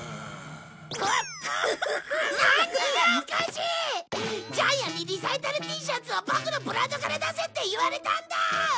ジャイアンにリサイタルＴシャツをボクのブランドから出せって言われたんだ！